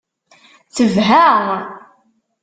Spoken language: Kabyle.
Tebha.